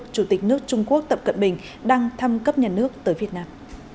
chủ tịch nước trung quốc tập cận bình đang thăm cấp nhà nước tới việt nam